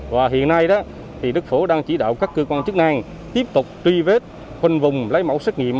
và hiện nay đức phổ đang chỉ đạo các cơ quan chức năng tiếp tục truy vết khuân vùng lấy mẫu xét nghiệm